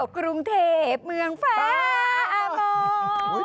กรุงเทพเมืองฟ้าอาบอง